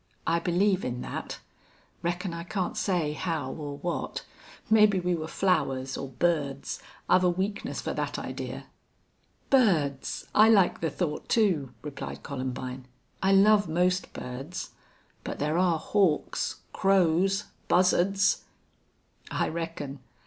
I believe in that. Reckon I can't say how or what. Maybe we were flowers or birds. I've a weakness for that idea." "Birds! I like the thought, too," replied Columbine. "I love most birds. But there are hawks, crows, buzzards!" "I reckon.